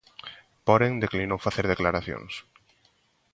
Porén, declinou facer declaracións.